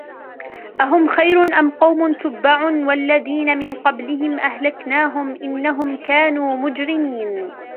أهم خير أم قوم تبع والذين من قبلهم أهلكناهم إنهم كانوا مجرمين